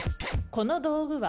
この道具は？